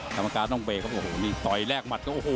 สามการณ์ต้องเบบโอ้โหนี่ต่อยแลกหมัด